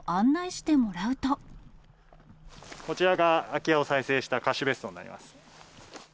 こちらが空き家を再生した貸別荘になります。